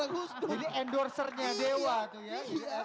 jadi endorsernya dewa tuh ya